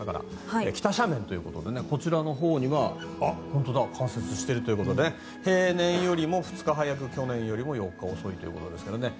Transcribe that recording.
北斜面ということでこちらのほうは冠雪しているということで平年よりも２日早く去年より４日遅いということですからね。